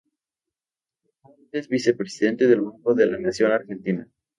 Actualmente es vicepresidente del Banco de la Nación Argentina.